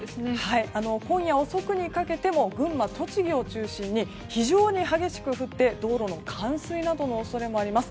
今夜遅くにかけても群馬、栃木を中心に非常に激しく降って道路の冠水などの恐れもあります。